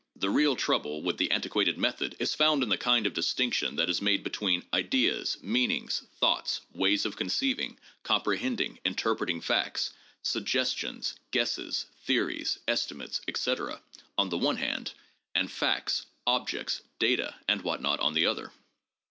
The real trouble with the antiquated method is found in the kind of distinction that is made between "ideas, meanings, thoughts, ways of conceiving, comprehending, interpreting facts," "suggestions, guesses, theories, estimates," etc., on the one hand, and "facts," "objects," "data," and what not, on the other.